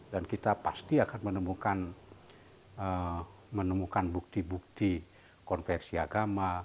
dan kita pasti akan menemukan bukti bukti konversi agama